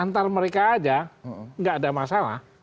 antara mereka aja enggak ada masalah